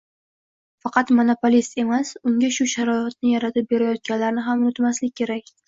faqat monopolist emas, unga shu sharoitni yaratib berayotganlarni ham unutmaslik kerak.